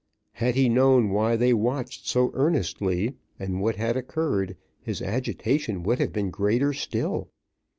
Had he known why they watched so earnestly, and what had occurred, his agitation would have been greater still.